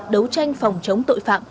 đấu tranh phòng chống tội phạm